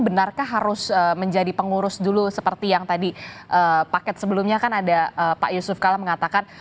benarkah harus menjadi pengurus dulu seperti yang tadi paket sebelumnya kan ada pak yusuf kala mengatakan